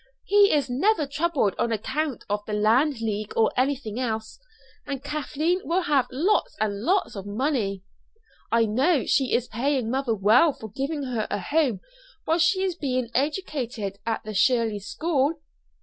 He is never troubled on account of the Land League or anything else, and Kathleen will have lots and lots of money. I know she is paying mother well for giving her a home while she is being educated at the Shirley School."